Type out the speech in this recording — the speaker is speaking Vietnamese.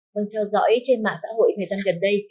vâng theo dõi trên mạng xã hội thời gian gần đây